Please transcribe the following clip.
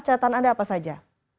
catatan anda apa saja